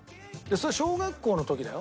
それ小学校の時だよ。